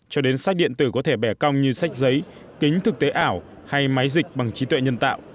cho đến sách điện tử có thể bẻ cong như sách giấy kính thực tế ảo hay máy dịch bằng trí tuệ nhân tạo